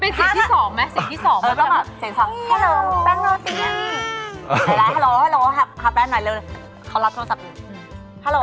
เป็นเสียงที่สองมั้ย